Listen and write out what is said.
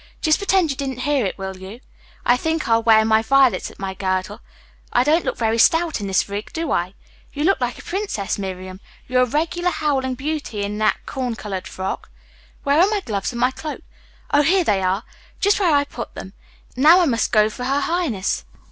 Just pretend you didn't hear it, will you? I think I'll wear my violets at my girdle. I don't look very stout in this rig, do I? You look like a princess, Miriam. You're a regular howling beauty in that corn colored frock. Where are my gloves and my cloak? Oh, here they are, just where I put them. Now, I must go for her highness.